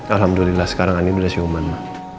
alhamdulillah sekarang andin udah siuman mak